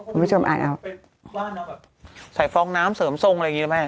คุณผู้ชมอ่านเอาบ้านเราแบบใส่ฟองน้ำเสริมทรงอะไรอย่างนี้นะแม่